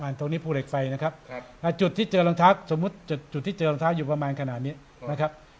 ตรงนี้ภูเหล็กไฟนะครับจุดที่เจอรองเท้าสมมุติจุดที่เจอรองเท้าอยู่ประมาณขนาดนี้นะครับ